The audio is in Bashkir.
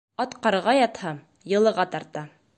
Ат ҡарға ятһа, йылыға тарта.